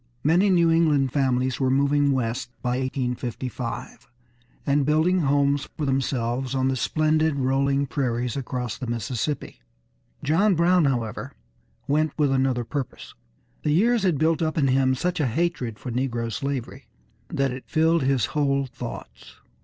Many New England families were moving west by 1855, and building homes for themselves on the splendid rolling prairies across the Mississippi. John Brown, however, went with another purpose. The years had built up in him such a hatred for negro slavery that it filled his whole thoughts.